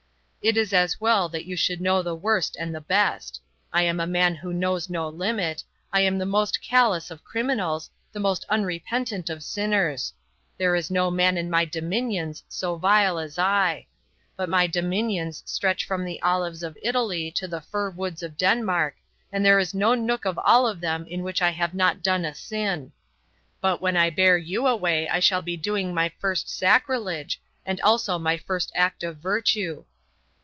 "It is as well that you should know the worst and the best. I am a man who knows no limit; I am the most callous of criminals, the most unrepentant of sinners. There is no man in my dominions so vile as I. But my dominions stretch from the olives of Italy to the fir woods of Denmark, and there is no nook of all of them in which I have not done a sin. But when I bear you away I shall be doing my first sacrilege, and also my first act of virtue."